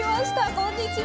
こんにちは。